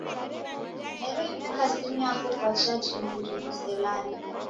Nereiw'ika simu yapo kwa chaji imbiri niselale.